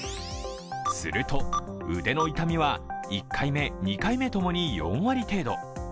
すると、腕の痛みは１回目、２回目共に４割程度。